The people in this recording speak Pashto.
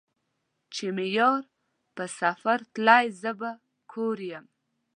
چې مې يار په سفر تللے زۀ به کور يم